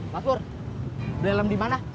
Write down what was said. mas pur beli helm di mana